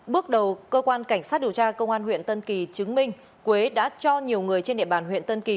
bước đầu cơ quan cảnh sát điều tra công an huyện tân kỳ chứng minh quế đã cho nhiều người trên địa bàn huyện tân kỳ